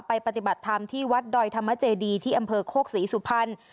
ปฏิบัติธรรมที่วัดดอยธรรมเจดีที่อำเภอโคกศรีสุพรรณ